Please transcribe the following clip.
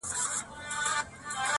هسي نوم د مرګي بد دی خبر نه دي عالمونه!